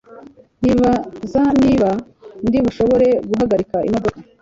nibaza niba ndibushobore guhagirika imodoka